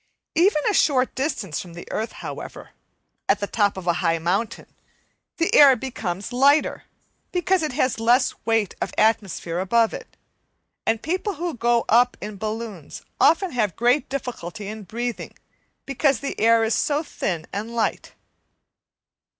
Even a short distance from the earth, however, at the top of a high mountain, the air becomes lighter, because it has less weight of atmosphere above it, and people who go up in balloons often have great difficulty in breathing, because the air is so thin and light.